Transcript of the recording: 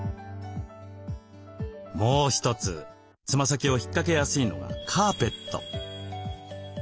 もう一つつま先を引っかけやすいのがカーペット。